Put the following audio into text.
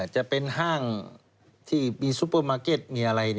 จะเป็นห้างที่มีซูเปอร์มาร์เก็ตมีอะไร